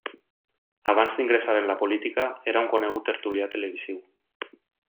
Abans d'ingressar en la política era un conegut tertulià televisiu.